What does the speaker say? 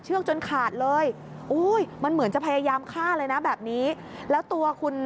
จนขาดเลยอุ้ยมันเหมือนจะพยายามฆ่าเลยนะแบบนี้แล้วตัวคุณ